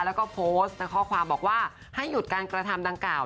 แล้วก็โพสต์ข้อความบอกว่าให้หยุดการกระทำดังกล่าว